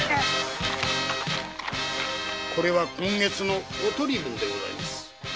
今月のお取り分でございます。